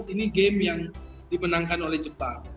ini game yang dimenangkan oleh jepang